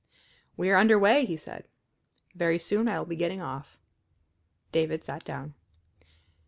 "We are under way," he said. "Very soon I will be getting off." David sat down.